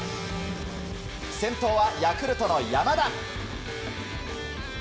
先頭は、ヤクルトの山田。